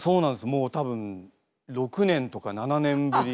もう多分６年とか７年ぶり。